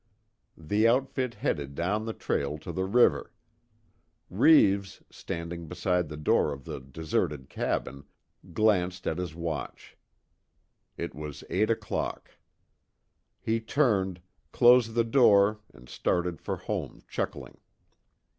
The outfit headed down the trail to the river. Reeves, standing beside the door of the deserted cabin, glanced at his watch. It was eight o'clock. He turned, closed the door and started for home chuckling.